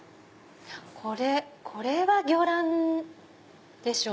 これは魚卵でしょ！